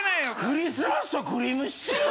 クリスマスとクリームシチュー。